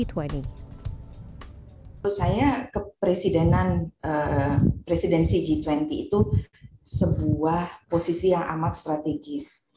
menurut saya kepresidenan presidensi g dua puluh itu sebuah posisi yang amat strategis